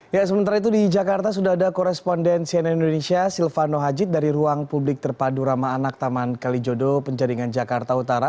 ya sementara itu di jakarta sudah ada koresponden cnn indonesia silvano hajid dari ruang publik terpadu rama anak taman kalijodo penjaringan jakarta utara